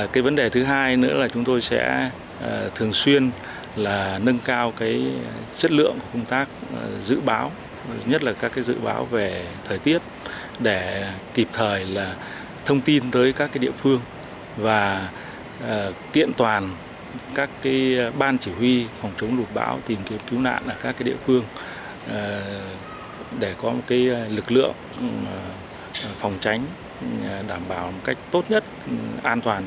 cái vấn đề thứ hai nữa là chúng tôi sẽ thường xuyên là nâng cao cái chất lượng của công tác dự báo nhất là các cái dự báo về thời tiết để kịp thời là thông tin tới các cái địa phương và tiện toàn các cái ban chỉ huy phòng chống lục bão tìm kiếm cứu nạn ở các cái địa phương để có một cái lực lượng phòng tránh đảm bảo một cách tốt nhất an toàn